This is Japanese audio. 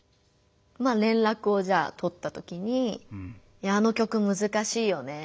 まあ連絡をじゃあ取ったときに「あの曲むずかしいよね。